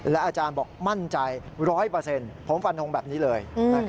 อาจารย์บอกมั่นใจ๑๐๐ผมฟันทงแบบนี้เลย